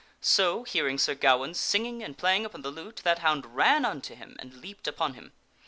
So, hearing Sir Gawaine singing and play ing upon the lute, that hound ran unto him and leaped upon him.